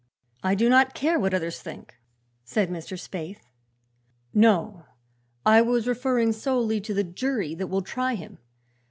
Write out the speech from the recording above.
"I do not care what others think," said Mr. Spaythe. "No; I was referring solely to the jury that will try him.